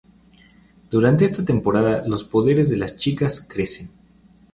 Durante esta temporada los poderes de las chicas crecen.